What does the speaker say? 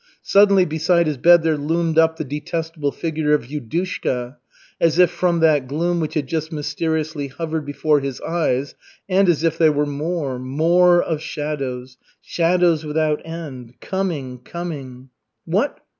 Suddenly, beside his bed, there loomed up the detestable figure of Yudushka, as if from that gloom which had just mysteriously hovered before his eyes, and as if there were more, more of shadows, shadows without end coming, coming "What?